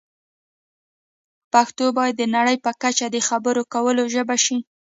پښتو باید د نړۍ په کچه د خبرو کولو ژبه شي.